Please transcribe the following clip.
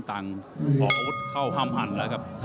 ต่อความลึก